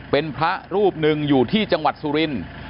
เป็นพระรูปหนึ่งอยู่ที่จังหวัดสุรินทร์